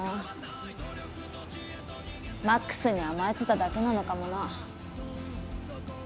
魔苦須に甘えてただけなのかもな。